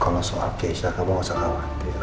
kalo soal keisha kamu gak usah khawatir